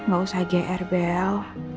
gak usah gr bel